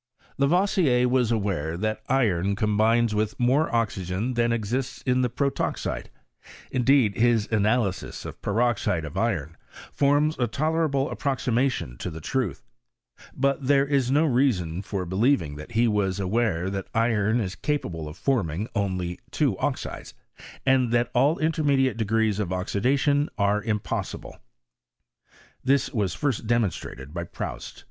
Lavoisier was aware that iron combineg with more oxygen than exists in the protoxide; indeed, his analysis of peroxide of iron forms a tolerable ap proximation to the truth ; but there is no reason fof beliering that he was aware that iron is capable of forming only two oxides, and that all intermediate degrees of oxidation are impossible. This was first demonstrated by Proust.